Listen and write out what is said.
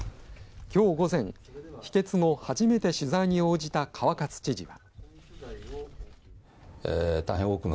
きょう午前、否決後初めて取材に応じた川勝知事は。